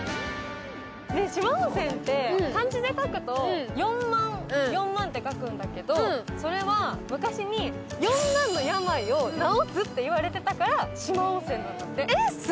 四万温泉って漢字で書くと四万って書くんだけどそれは、昔に四万の病を治すっていわれてたから四万温泉なんだって。